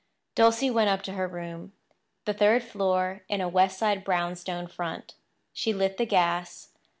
Dulcie went up to her room—the third floor back in a West Side brownstone front. She lit the gas.